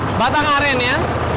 ini batang aren ya